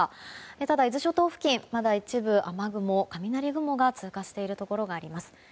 ただ、伊豆諸島付近まだ一部、雨雲、雷雲が通過しているところがあります。